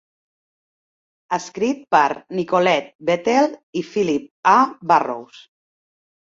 Escrit per Nicolette Bethel i Philip A. Burrows.